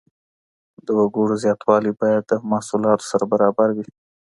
د وګړو زياتوالی بايد د محصولاتو سره برابر وي.